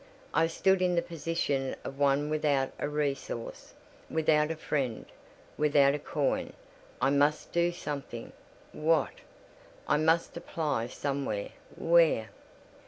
I stood in the position of one without a resource, without a friend, without a coin. I must do something. What? I must apply somewhere. Where?